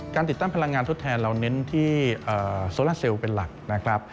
การติดตั้งพลังงานทดแทนเราเน้นที่โซล่าเซลล์เป็นหลัก